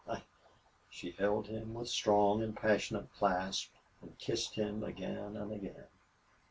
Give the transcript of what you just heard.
I " She held him with strong and passionate clasp and kissed him again and again.